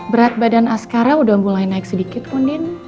berat badan askara udah mulai naik sedikit pun din